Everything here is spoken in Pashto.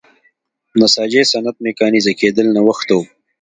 نساجۍ صنعت میکانیزه کېدل نوښت و.